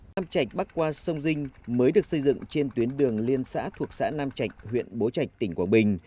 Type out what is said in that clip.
tam trạch bắc qua sông dinh mới được xây dựng trên tuyến đường liên xã thuộc xã nam trạch huyện bố trạch tỉnh quảng bình